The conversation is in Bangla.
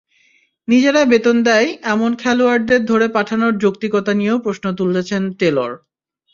নিজেরা বেতন দেয় এমন খেলোয়াড়দের ধারে পাঠানোর যৌক্তিকতা নিয়েও প্রশ্ন তুলেছেন টেলর।